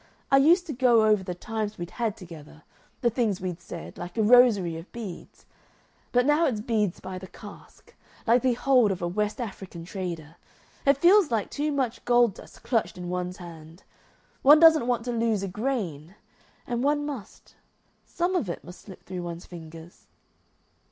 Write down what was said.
I used to go over the times we'd had together, the things we'd said like a rosary of beads. But now it's beads by the cask like the hold of a West African trader. It feels like too much gold dust clutched in one's hand. One doesn't want to lose a grain. And one must some of it must slip through one's fingers."